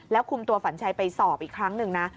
คุมตัวฝันชัยไปสอบอีกครั้งหนึ่งนะ